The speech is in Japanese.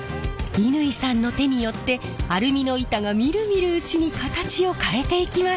乾さんの手によってアルミの板がみるみるうちに形を変えていきます！